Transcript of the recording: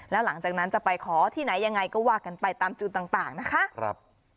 แล้วหลังจากนั้นจะไปขอที่ไหนยังไงก็ว่ากันไปตามจุดต่างนะคะ